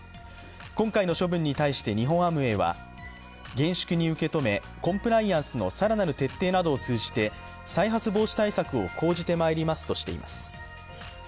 今回の処分に対して日本アムウェイは厳粛に受け止めコンプライアンスの更なる徹底などを通じて再発防止対策を講じてまいりますとしています。